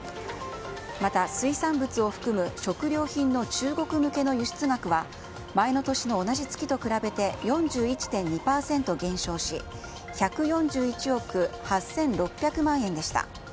また、水産物を含む食料品の中国向けの輸出額は前の年の同じ月と比べて４１．２％減少し１４１億８６００万円でした。